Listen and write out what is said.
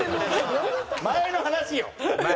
前の話よ。